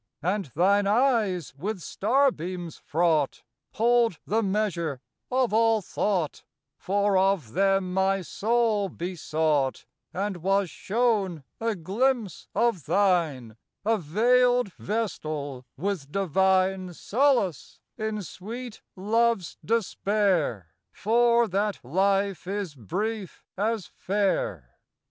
And thine eyes, with starbeams fraught, Hold the measure of all thought; For of them my soul besought, And was shown a glimpse of thine — A veiled vestal, with divine Solace, in sweet love's despair, For that life is brief as fair.